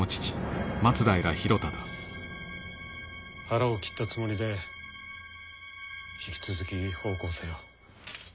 腹を切ったつもりで引き続き奉公せよ。